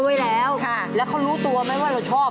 เขาก็ไม่งงค่ะ